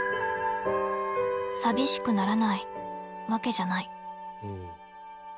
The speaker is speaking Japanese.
寂しくならないわけじゃない。